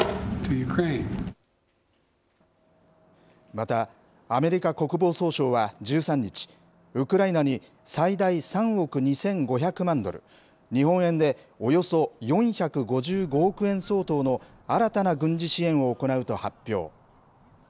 また、アメリカ国防総省は１３日、ウクライナに、最大３億２５００万ドル、日本円でおよそ４５５億円相当の新たな軍事支援を行うと発表。